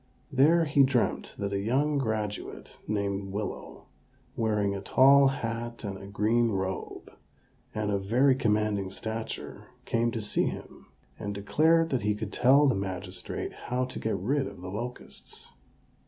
There he dreamt that a young graduate, named Willow, wearing a tall hat and a green robe, and of very commanding stature, came to see him, and declared that he could tell the magistrate how to get rid of the locusts.